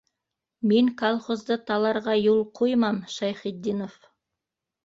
Мин... колхозды... таларға... юл ҡуймам, Шәйхетдинов!